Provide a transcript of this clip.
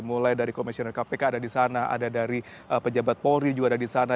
mulai dari komisioner kpk ada di sana ada dari pejabat polri juga ada di sana